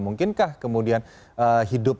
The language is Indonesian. mungkinkah kemudian hidup